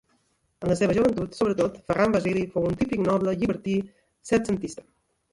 En la seva joventut, sobretot, Ferran Basili fou un típic noble llibertí setcentista.